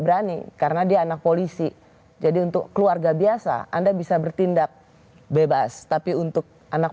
berani karena dia anak polisi jadi untuk keluarga biasa anda bisa bertindak bebas tapi untuk anak